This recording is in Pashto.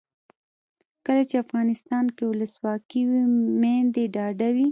کله چې افغانستان کې ولسواکي وي میندې ډاډه وي.